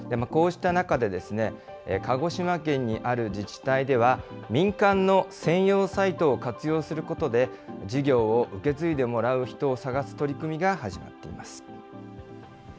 こうした中で、鹿児島県にある自治体では、民間の専用サイトを活用することで、事業を受け継いでもらう人を探す取り組みが始まっています。